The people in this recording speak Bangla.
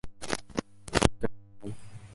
একটা রেইস দিলে কেমন হয়?